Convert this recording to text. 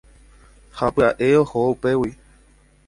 ha pya'e oho upégui